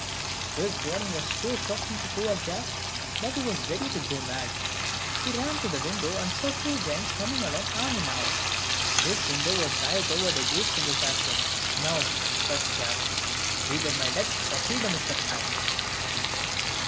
This warning was so shocking to poor Jack, that he was ready to go mad. He ran to the window, and saw the two giants coming along arm in arm. This window was right over the gates of the castle. "Now," thought Jack, "either my death or freedom is at hand."